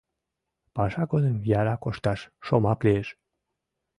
Паша годым яра кошташ — шомак лиеш.